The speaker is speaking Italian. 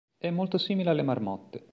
È molto simile alle marmotte.